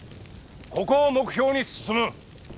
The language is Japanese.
ここを目標に進む。